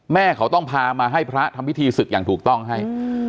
แม่เขาต้องพามาให้พระทำพิธีศึกอย่างถูกต้องให้